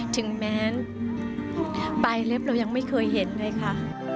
ถึงแม้ปลายเล็บเรายังไม่เคยเห็นเลยค่ะ